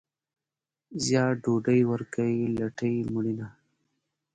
زیار ډوډۍ ورکوي، لټي مړینه.